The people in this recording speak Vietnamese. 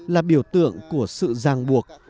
là biểu tượng của sự giang buộc